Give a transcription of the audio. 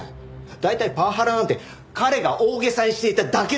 大体パワハラなんて彼が大げさにしていただけなんです。